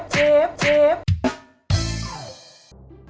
เชฟเชฟเชฟ